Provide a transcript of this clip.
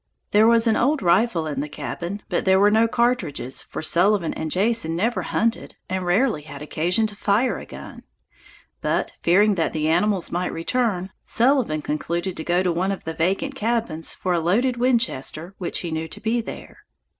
There was an old rifle in the cabin, but there were no cartridges, for Sullivan and Jason never hunted and rarely had occasion to fire a gun. But, fearing that the animals might return, Sullivan concluded to go to one of the vacant cabins for a loaded Winchester which he knew to be there.